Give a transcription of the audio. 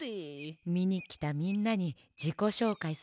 みにきたみんなにじこしょうかいするってことね？